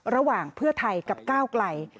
ระหว่างเพื่อไทยกับก้าวไกล